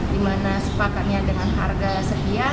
dimana sepakatnya dengan harga sekian